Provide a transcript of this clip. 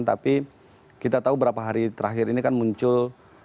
tapi kita tahu berapa hari terakhir ini kan muncul